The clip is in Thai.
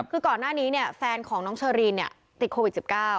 คือก่อนหน้านี้แฟนของน้องเชอรีนติดโควิด๑๙